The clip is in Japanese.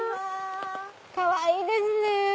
かわいいですね。